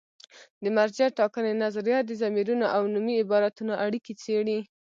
د مرجع ټاکنې نظریه د ضمیرونو او نومي عبارتونو اړیکې څېړي.